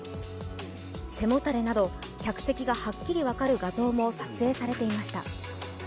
背もたれなど、客席がはっきり分かる画像も撮影されていました。